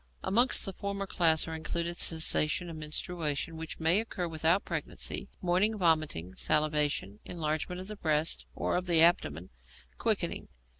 Amongst the former class are included Cessation of menstruation (which may occur without pregnancy); morning vomiting; salivation; enlargement of the breasts and of the abdomen; quickening.